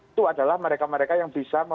itu adalah mereka mereka yang bisa